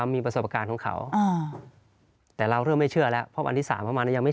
มีครับ